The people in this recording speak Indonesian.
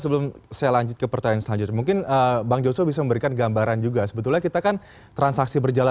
permintaan terhadap sasaran asetnya itu juga